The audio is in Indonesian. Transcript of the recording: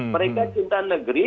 mereka cinta negeri